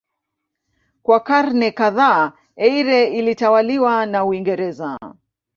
Kwa karne kadhaa Eire ilitawaliwa na Uingereza.